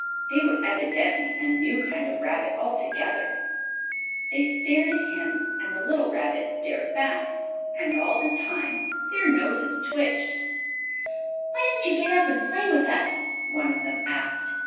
They were evidently a new kind of rabbit altogether. Summer Days They stared at him, and the little Rabbit stared back. And all the time their noses twitched. "Why don't you get up and play with us?" one of them asked.